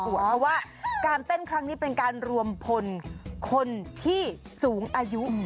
เพราะว่าการเต้นครั้งนี้เป็นการรวมพลคนที่สูงอายุ